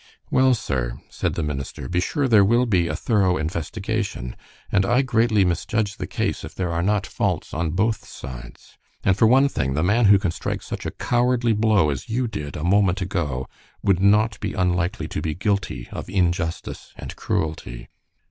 "Well, sir," said the minister, "be sure there will be a thorough investigation, and I greatly misjudge the case if there are not faults on both sides. And for one thing, the man who can strike such a cowardly blow as you did a moment ago would not be unlikely to be guilty of injustice and cruelty."